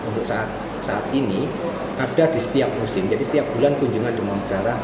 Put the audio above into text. untuk saat ini ada di setiap musim jadi setiap bulan kunjungan demam berdarah